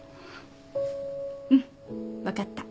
うん分かった。